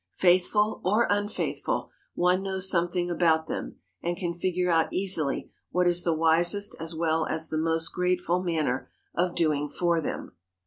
Faithful or unfaithful, one knows something about them, and can figure out easily what is the wisest as well as the most grateful manner of doing for them.